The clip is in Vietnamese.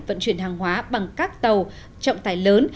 vận chuyển hàng hóa bằng các tàu trọng tải lớn